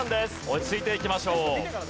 落ち着いていきましょう。